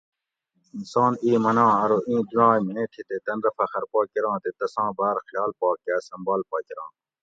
انسان ایں مناں ارو اِیں دُنائ میں تھی تے تن رہ فخر پا کراں تے تساں باۤر خیال پا کاۤ سمبال پا کراں